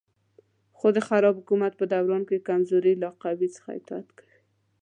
خو د خراب حکومت په دوران کې کمزوري له قوي څخه اطاعت کوي.